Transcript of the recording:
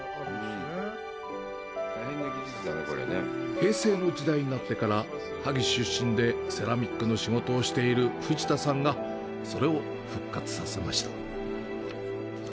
平成の時代になってから、萩出身でセラミックの仕事をしている藤田さんが、それを復活させました。